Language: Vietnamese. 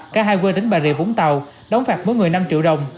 cả hai quê tỉnh bà rịa vũng tàu đóng phạt mỗi người năm triệu đồng